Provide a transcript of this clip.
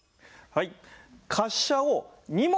はい。